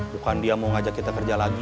bukan dia mau ngajak kita kerja lagi